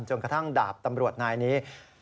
กระทั่งดาบตำรวจนายนี้